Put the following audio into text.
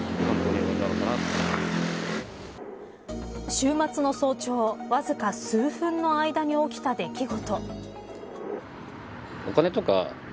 週末の早朝わずか数分の間に起きた出来事。